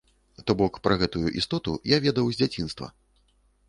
То бок, пра гэтую істоту я ведаў з дзяцінства.